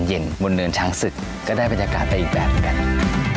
ก็เป็นบริเวณของประเทศเพื่อนบ้านอิตองจากด้านหลังผมเนี่ยนะครับ